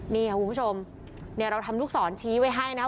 นี่ค่ะคุณผู้ชมเนี่ยเราทำลูกศรชี้ไว้ให้นะ